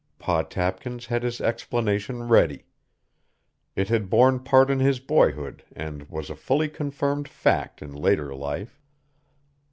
Pa Tapkins had his explanation ready. It had borne part in his boyhood and was a fully confirmed fact in later life.